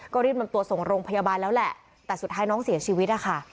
ก็รีบนำตัวส่งโรงพยาบาลแล้วแหละแต่สุดท้ายน้องเสียชีวิตนะคะ